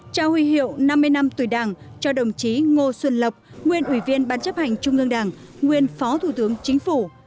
trao huy hiệu năm mươi năm tuổi đảng cho đồng chí ngô xuân lộc nguyên ủy viên ban chấp hành trung ương đảng nguyên phó thủ tướng chính phủ